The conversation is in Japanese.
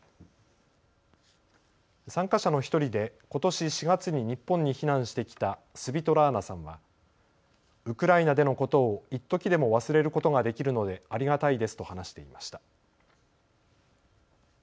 参加者の１人でことし４月に日本に避難してきたスヴィトラーナさんはウクライナでのことをいっときでも忘れることができるのでありがたいですと話していました。